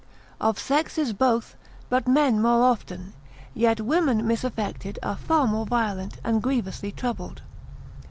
Of sexes both, but men more often; yet women misaffected are far more violent, and grievously troubled.